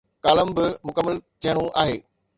Column به مڪمل ٿيڻو آهي.